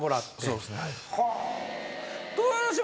そうですね。